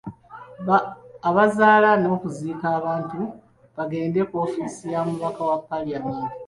Abazaala n'okuziika abantu bagende ku woofiisi ya mubaka wa Pulezidenti.